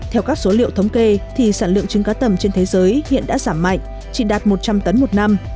theo các số liệu thống kê thì sản lượng trứng cá tầm trên thế giới hiện đã giảm mạnh chỉ đạt một trăm linh tấn một năm